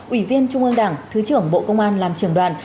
ủy viên trung ương đảng thứ trưởng bộ công an làm trưởng đoàn